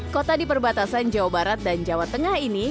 kota di perbatasan jawa barat dan jawa tengah ini